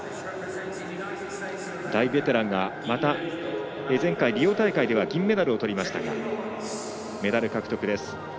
大ベテランがまた、前回リオ大会では銀メダルをとりましたがメダル獲得です。